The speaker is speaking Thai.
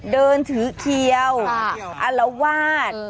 เดินถือเขียวค่ะอ่าแล้ววาด